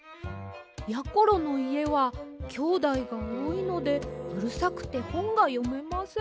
やころのいえはきょうだいがおおいのでうるさくてほんがよめません。